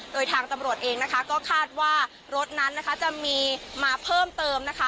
โดยทางตำรวจเองนะคะก็คาดว่ารถนั้นนะคะจะมีมาเพิ่มเติมนะคะ